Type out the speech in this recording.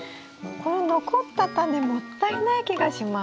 この残ったタネもったいない気がします。